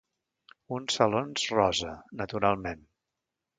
Uns salons rosa, naturalment.